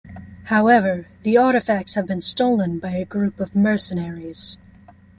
However, the artifacts have been stolen by a group of mercenaries.